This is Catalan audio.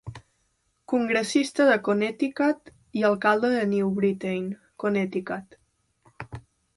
Congressista de Connecticut i alcalde de New Britain, Connecticut.